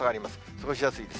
過ごしやすいです。